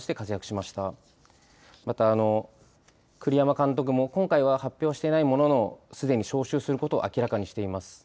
また、栗山監督も、今回は発表していないものの、すでに招集することを明らかにしています。